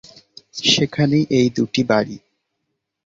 সেখানেই এই দুটি বাড়ী।